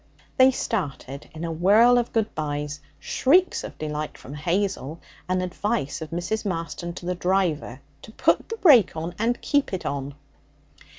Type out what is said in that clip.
They started in a whirl of good byes, shrieks of delight from Hazel, and advice of Mrs. Marston to the driver to put the brake on and keep it on.